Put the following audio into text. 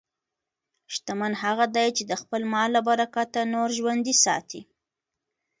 شتمن هغه دی چې د خپل مال له برکته نور ژوندي ساتي.